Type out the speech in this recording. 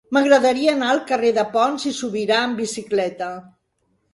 M'agradaria anar al carrer de Pons i Subirà amb bicicleta.